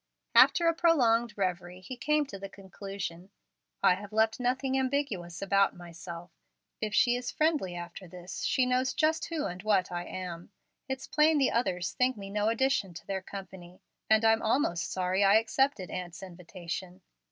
After a prolonged revery, he came to the conclusion: "I have left nothing ambiguous about myself. If she is friendly after this she knows just who and what I am. It's plain the others think me no addition to their company, and I'm almost sorry I accepted aunt's invitation.